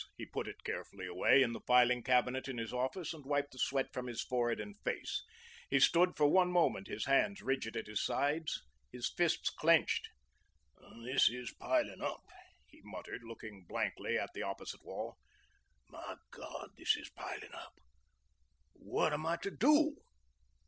He put it carefully away in the filing cabinet in his office, and wiped the sweat from his forehead and face. He stood for one moment, his hands rigid at his sides, his fists clinched. "This is piling up," he muttered, looking blankly at the opposite wall. "My God, this is piling up. What am I to do?"